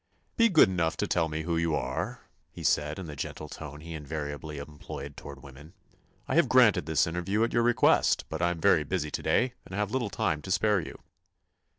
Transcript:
"Be good enough to tell me who you are," he said in the gentle tone he invariably employed toward women. "I have granted this interview at your request, but I am very busy to day and have little time to spare you."